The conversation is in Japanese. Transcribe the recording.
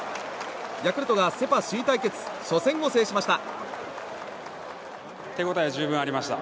ヤクルトがセ・パ首位対決初戦を制しました。